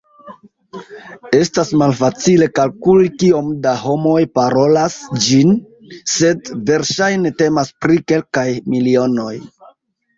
Estas malfacile kalkuli kiom da homoj "parolas" ĝin, sed verŝajne temas pri kelkaj milionoj.